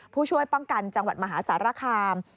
ผู้ช่วยป้องกันจังหวัดมหาสารคาม